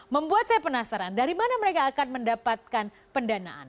membuat saya penasaran dari mana mereka akan mendapatkan pendanaan